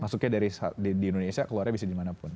maksudnya dari indonesia keluar bisa dimanapun